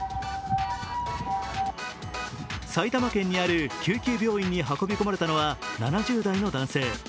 埼玉県にある救急病院に運び込まれたのは７０代の男性。